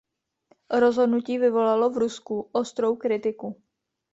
Rozhodnutí vyvolalo v Rusku ostrou kritiku.